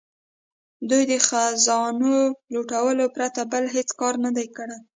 دوی د خزانو لوټلو پرته بل هیڅ کار نه دی کړی.